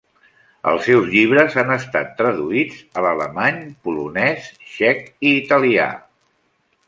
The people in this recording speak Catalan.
Els seus llibres han estat traduïts a alemany, polonès, txec i italià.